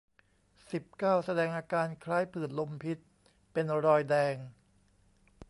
สิบเก้า แสดงอาการคล้ายผื่นลมพิษ เป็นรอยแดง